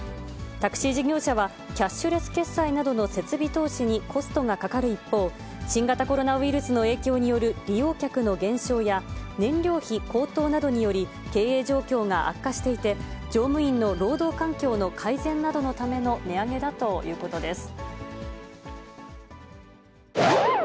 タクシー事業者は、キャッシュレス決済などの設備投資にコストがかかる一方、新型コロナウイルスの影響による利用客の減少や、燃料費高騰などにより、経営状況が悪化していて、乗務員の労働環境の改善などのための値上げだということです。